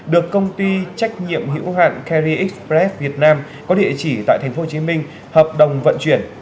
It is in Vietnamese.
được công ty trách nhiệm hữu hạn kerry express việt nam có địa chỉ tại tp hcm hợp đồng vận chuyển